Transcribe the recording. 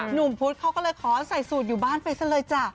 พุทธเขาก็เลยขอใส่สูตรอยู่บ้านไปซะเลยจ้ะ